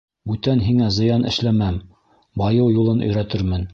Бүтән һиңә зыян эшләмәм, байыу юлын өйрәтермен.